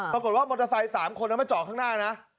ปรากฎว่ามอเตอร์ไซค์๓คนนั้นมันจะออกข้างหน้านะ